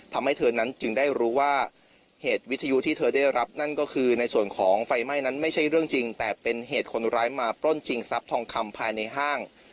ทำให้เธอนั้นจึงได้รู้ว่าเหตุวิทยุที่เธอได้รับนั่นก็คือในส่วนของไฟไหม้นั้นไม่ใช่เรื่องจริงแต่เป็นเหตุคนร้ายมาปล้นชิงทรัพย์ทองคำภายในห้าง